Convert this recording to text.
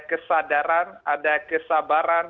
kesadaran ada kesabaran